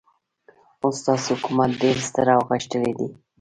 ستاسو حکومت ډېر ستر او غښتلی دی.